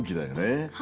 はい。